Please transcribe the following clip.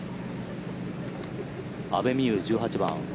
阿部未悠、１８番。